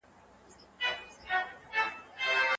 علمي پوهه د عقل په رڼا کې ترلاسه کېږي.